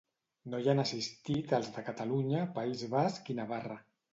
No hi han assistit els de Catalunya, País Basc i Navarra.